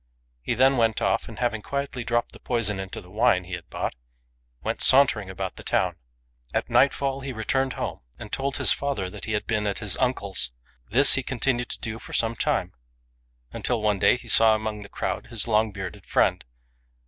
He then went off; and having quietly dropped the poison into the wine he had bought, went sauntering about the town. At nightfall he re turned home, and told his father that he had been at his uncle's. This he continued to do for some time, until one day he saw amongst the crowd his long bearded friend.